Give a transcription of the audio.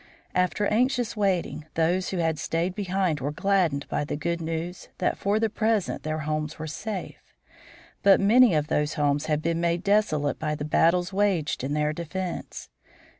After anxious waiting, those who had stayed behind were gladdened by the good news that for the present their homes were safe. But many of those homes had been made desolate by the battles waged in their defense.